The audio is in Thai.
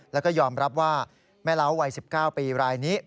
แล้วก็ยอมรับว่าแม่เล้าวัย๑๙ปีรายนี้